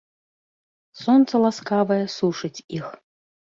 Сонца ласкавае сушыць іх.